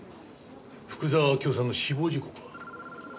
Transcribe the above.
福沢明夫さんの死亡時刻は？